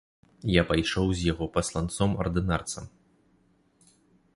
Я пайшоў з яго пасланцом ардынарцам.